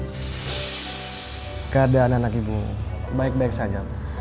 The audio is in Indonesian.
keadaan anak ibu baik baik saja